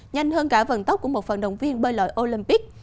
nhanh hơn cả vận tốc của một phần động viên bơi lội olympic